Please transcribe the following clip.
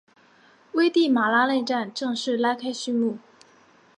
危地马拉内战正式拉开序幕。